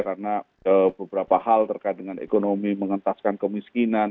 karena beberapa hal terkait dengan ekonomi mengentaskan kemiskinan